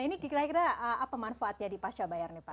ini kira kira apa manfaatnya di pasca bayar nih pak